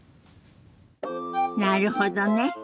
なるほどね。